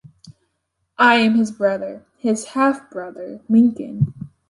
I am his brother — his half-brother, Lincoln.